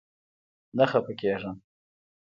نه خپه کيږم